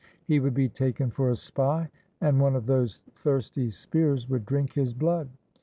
He would be taken for a spy, and one of those thirsty spears would drink his blood.